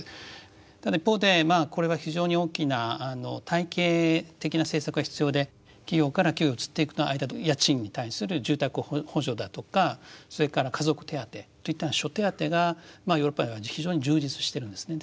ただ一方でまあこれは非常に大きな体系的な政策が必要で企業から企業へ移っていく間の家賃に対する住宅補助だとかそれから家族手当といった諸手当がヨーロッパでは非常に充実してるんですね。